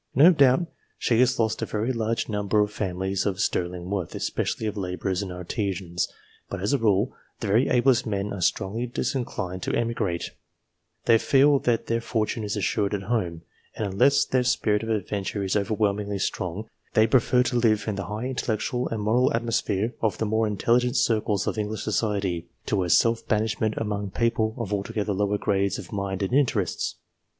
No doubt she has lost a very large number of families of sterling worth, especially of labourers and artisans ; but, as a rule, the very ablest men are strongly disinclined to emigrate ; they feel that their fortune is assured at home, and unless their spirit of adventure is overwhelmingly strong, they prefer to live in the high intellectual and moral atmosphere of the more intelligent circles of English society, to a self banish ment among people of altogether lower grades of mind and interests.